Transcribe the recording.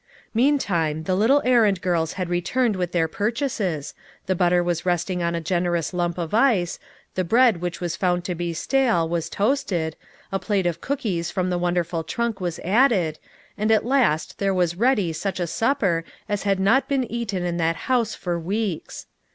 Meantime the little errand girls had returned with their purchases, the butter was resting on a generous lump of ice, the bread which was found to be stale, was 50 LITTLE FISHEES : AND THEIB NETS. toasted, a plate of cookies from the wonderful trunk was added, and at last there was ready such a supper as had not been eaten in that house for weeks.